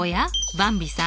ばんびさん。